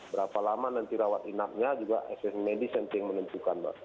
berapa lama nanti rawat inapnya juga asesmen medis yang di menentukan